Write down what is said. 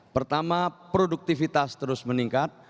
pertama produktivitas terus meningkat